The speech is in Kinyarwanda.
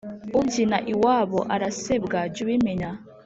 Ubyina iwabo arasebwa jy’ubimenya